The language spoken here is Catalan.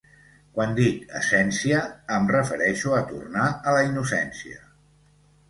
Quan dic ‘essència’, em refereixo a tornar a la innocència.